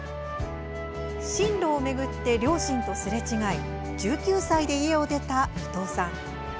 進路を巡って両親とすれ違い１９歳で家を出た、いとうさん。